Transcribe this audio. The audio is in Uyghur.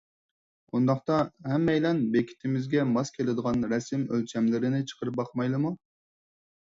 ئۇنداقتا ھەممەيلەن بېكىتىمىزگە ماس كېلىدىغان رەسىم ئۆلچەملىرىنى چىقىرىپ باقمايلىمۇ؟